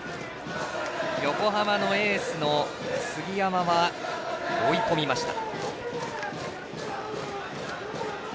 横浜のエースの杉山は追い込みました。